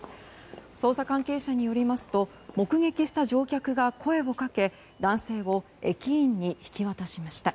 捜査関係者によりますと目撃した乗客が声をかけ男性を駅員に引き渡しました。